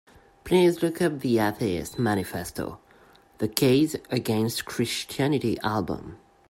Please look up the Atheist Manifesto: The Case Against Christianity album.